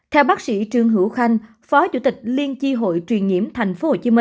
theo bác sĩ trương hữu khanh phó chủ tịch liên tri hội truyền nhiễm tp hcm